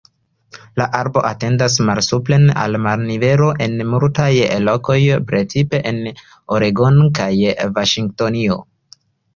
La arbo etendas malsupren al marnivelo en multaj lokoj, precipe en Oregono kaj Vaŝingtonio.